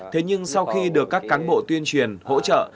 thế nhưng sau khi được các cán bộ tuyên truyền hỗ trợ